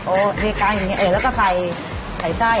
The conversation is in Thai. โอ้ในกลางอย่างนี้แล้วก็ใส่ไส้